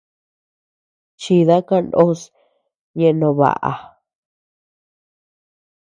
Chida kandos ñeʼe no baʼa.